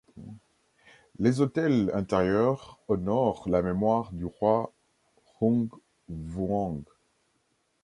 Les autels intérieurs honorent la mémoire du roi Hùng Vương.